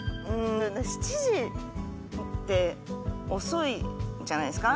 ７時って遅いじゃないですか。